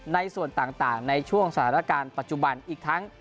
ในส่วนต่างในช่วงสถานการณ์ปัจจุบันอีกทั้ง